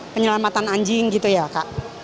penyelamatan anjing gitu ya kak